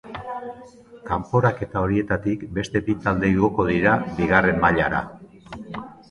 Kanporaketa horietatik beste bi talde igoko dira Bigarren mailara.